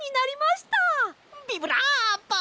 ビブラーボ！